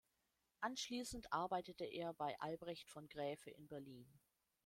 Anschließend arbeitete er bei Albrecht von Graefe in Berlin.